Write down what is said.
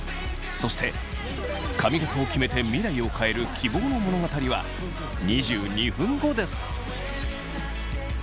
そして髪形をきめて未来を変える希望の物語は２２分後です！